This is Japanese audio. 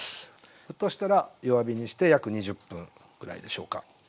沸騰したら弱火にして約２０分ぐらいでしょうか。